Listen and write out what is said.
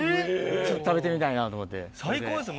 ちょっと食べてみたいなと思最高ですね、